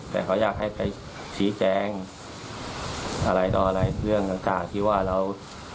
แต่เขาอยากให้ไปชี้แจงอะไรต่ออะไรเรื่องต่างที่ว่าเรา